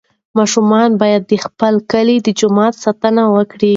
ماشومان باید د خپل کلي د جومات ساتنه وکړي.